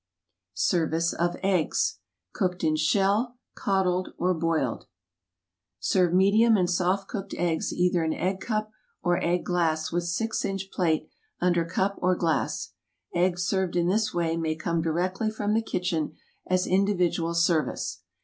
Service of Eggs Cooked in Shell, Coddled, or Boiled SERVE medium and soft cooked eggs either in egg cup or egg glass with six inch plate under cup or glass. Eggs served in this way may come directly from the kitchen as individual service.